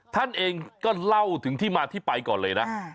ท่านเองก็เล่าถึงที่มาที่ไปก่อนเลยนะ